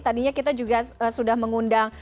tadinya kita juga sudah mengundang